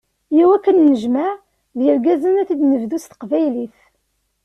Yyaw akk ad d-nennejmeɛ, d yirgazen ad t-id-nebdu s teqbaylit.